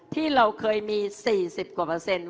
ที่เราเคยมี๔๐กว่าเปอร์เซ็นต์